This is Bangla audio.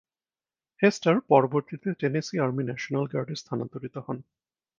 হেস্টার পরবর্তীতে টেনেসি আর্মি ন্যাশনাল গার্ডে স্থানান্তরিত হন।